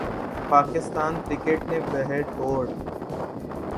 Pakistan cricket نے بہرطور